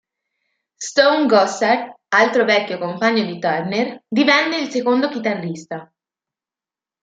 Stone Gossard, altro vecchio compagno di Turner, divenne il secondo chitarrista.